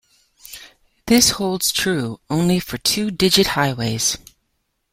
This holds true only for two-digit highways.